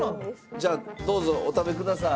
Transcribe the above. じゃあどうぞお食べください。